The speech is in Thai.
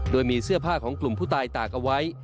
โดยมีเสื้อผ้าของกลุ่มผู้ตายตากเอาไว้